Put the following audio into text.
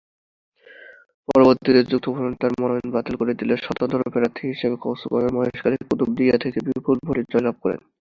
পরবর্তীতে যুক্তফ্রন্ট তার মনোনয়ন বাতিল করে দিলে স্বতন্ত্র প্রার্থী হিসেবে কক্সবাজার-মহেশখালী-কুতুবদিয়া থেকে বিপুল ভোটে জয়লাভ করেন।